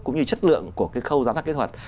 cũng như chất lượng của cái khâu giám sát kỹ thuật